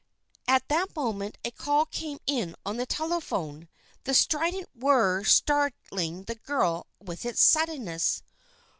At that moment a call came in on the telephone, the strident whir startling the girl with its suddenness.